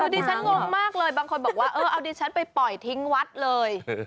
คือดิฉันงงมากเลยบางคนบอกว่าเออเอาดิฉันไปปล่อยทิ้งวัดเลย